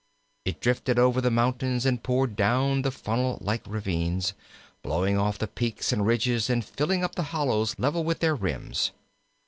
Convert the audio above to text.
It drifted over the mountains and poured down the funnel like ravines, blowing off the peaks and ridges, and filling up the hollows level with their rims.